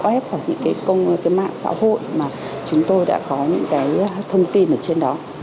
web hoặc những cái mạng xã hội mà chúng tôi đã có những cái thông tin ở trên đó